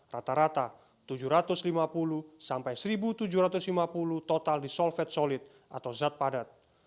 rata rata tujuh ratus lima puluh sampai satu tujuh ratus lima puluh total disolvet solid atau zat padat